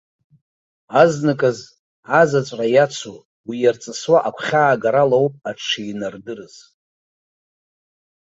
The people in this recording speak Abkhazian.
Азныказ, азаҵәра иацу, уи иарҵысуа, агәхьаагаралоуп аҽшинардырыз.